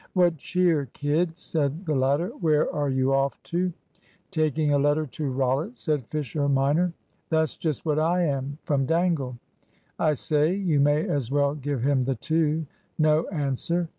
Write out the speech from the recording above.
"What cheer, kid?" said the latter. "Where are you off to?" "Taking a letter to Rollitt," said Fisher minor. "That's just what I am, from Dangle. I say, you may as well give him the two. No answer.